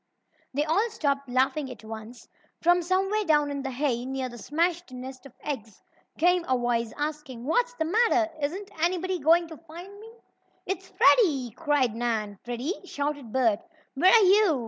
They all stopped laughing at once. From somewhere down in the hay, near the smashed nest of eggs, came a voice, asking: "What's the matter? Isn't anybody going to find me?" "It's Freddie!" cried Nan. "Freddie!" shouted Bert. "Where are you?"